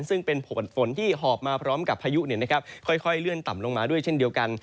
ซึ่งเป็นผลที่หอบมาพร้อมกับพายุค่อยเลื่อนต่ำลงมาด้วยเช่นเดียวกัน